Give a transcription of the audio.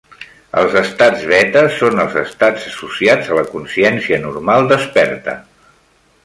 Els estats beta són els estats associats a la consciència normal desperta.